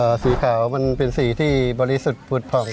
ก็สีขาวมันเป็นสีที่บริสุทธิ์ผูกพัง